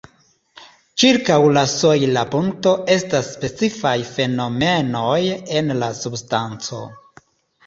Ĉirkaŭ la sojla punkto estas specifaj fenomenoj en la substanco.